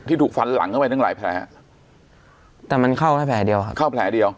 ถูกฟันหลังเข้าไปตั้งหลายแผลแต่มันเข้าแค่แผลเดียวครับเข้าแผลเดียว